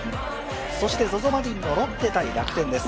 そしてＺＯＺＯマリンのロッテ×楽天です。